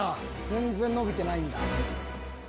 全然伸びてないんだ。